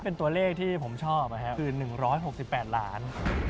เป็นตัวเลขที่ผมชอบคือ๑๖๘ล้าน